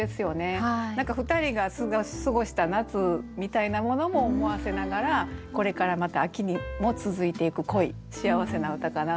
２人が過ごした夏みたいなものも思わせながらこれからまた秋にも続いていく恋幸せな歌かなと思いました。